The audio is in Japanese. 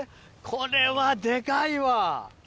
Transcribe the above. これはデカいわ。